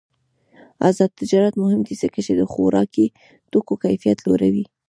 آزاد تجارت مهم دی ځکه چې د خوراکي توکو کیفیت لوړوي.